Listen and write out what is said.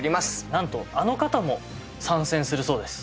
なんとあの方も参戦するそうです。